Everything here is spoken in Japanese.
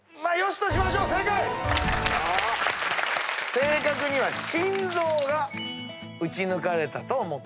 正確には「心臓が撃ち抜かれたかと思った」